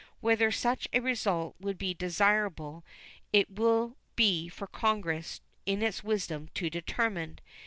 Whether such a result would be desirable it will be for Congress in its wisdom to determine.